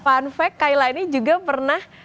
fun fact kaila ini juga pernah